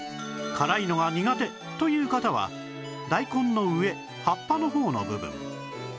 辛いのが苦手という方は大根の上葉っぱの方の部分